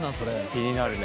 気になるね。